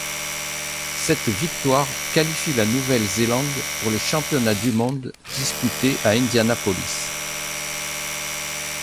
Cette victoire qualifie la Nouvelle-Zélande pour les championnats du monde disputés à Indianapolis.